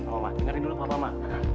oh mama dengarkan dulu papa mama